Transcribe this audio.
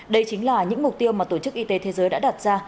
đây chính là những mục tiêu mà tổ chức y tế thế giới đã đặt ra